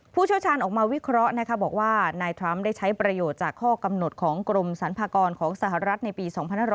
เชี่ยวชาญออกมาวิเคราะห์บอกว่านายทรัมป์ได้ใช้ประโยชน์จากข้อกำหนดของกรมสรรพากรของสหรัฐในปี๒๕๖๐